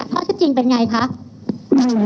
ข้อเท็จจริงเป็นไงคะ